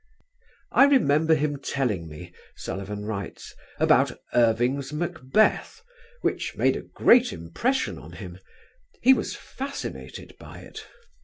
"I remember him telling me," Sullivan writes, "about Irving's 'Macbeth,' which made a great impression on him; he was fascinated by it.